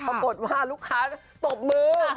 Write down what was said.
ปรากฏว่าลูกค้าตบมือ